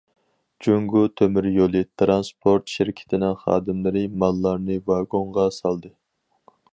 جۇڭگو تۆمۈر يولى تىرانسپورت شىركىتىنىڭ خادىملىرى ماللارنى ۋاگونغا سالدى.